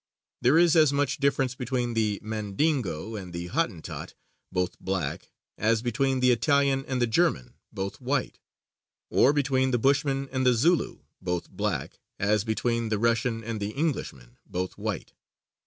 There is as much difference between the Mandingo and the Hottentot, both black, as between the Italian and the German, both white; or between the Bushman and the Zulu, both black, as between the Russian and the Englishman, both white.